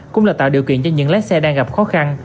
cũng là tạo điều kiện cho những lái xe đang gặp khó khăn